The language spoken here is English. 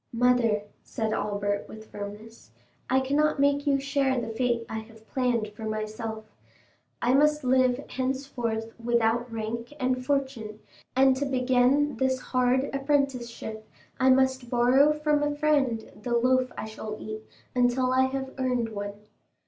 "Mother," said Albert with firmness. "I cannot make you share the fate I have planned for myself. I must live henceforth without rank and fortune, and to begin this hard apprenticeship I must borrow from a friend the loaf I shall eat until I have earned one.